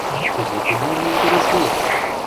— Кузе-туге «не интересует»?